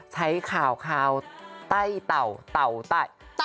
ใช้ข่าวใต้เต่าเต่าไต้